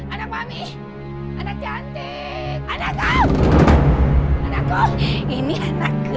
anak mami anak cantik anakku anakku ini anakku ini anakku ini anakku